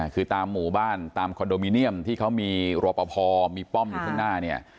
คือตามหมู่บ้านตามคอนโดมิเนียมที่เขามีรอปภมีป้อมอยู่ข้างหน้าเนี่ย